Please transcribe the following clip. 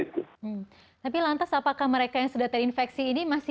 tadi disampaikan oleh dr domi